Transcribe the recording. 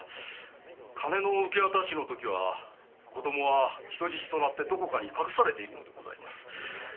金の受け渡しの時は子供は人質になって隠されているのでございます。